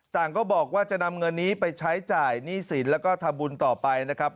ต่างก็บอกว่าจะนำเงินนี้ไปใช้จ่ายหนี้สินแล้วก็ทำบุญต่อไปนะครับ